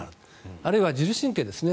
あるいは自律神経ですね